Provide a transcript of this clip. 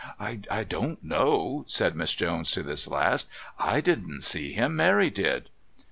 "I don't know," said Miss Jones to this last. "I didn't see him. Mary did."